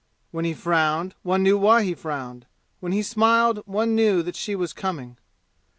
When he frowned, one knew why he frowned. When he smiled, one knew that she was coming.